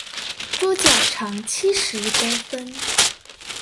桌腳長七十公分